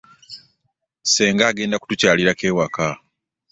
Senga agenda kutukyalirako ewaka.